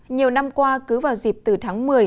nhiều năm qua cứ vào dịp từ tháng một mươi